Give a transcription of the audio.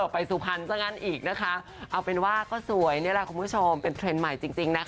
ไปสุพรรณซะงั้นอีกนะคะเอาเป็นว่าก็สวยนี่แหละคุณผู้ชมเป็นเทรนด์ใหม่จริงนะคะ